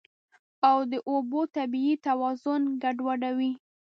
او د اوبو طبیعي توازن ګډوډوي.